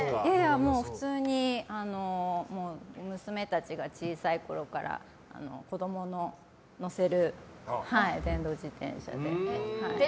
普通に娘たちが小さいころから子供の乗せる電動自転車で。